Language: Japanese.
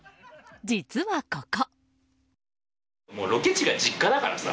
実はここ。